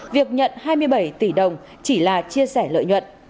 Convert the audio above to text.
việc nhận hai mươi bảy tỷ đồng chỉ là chia sẻ lợi nhuận